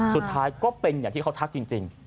สุดท้ายก็เป็นอย่างที่เขาทักจริง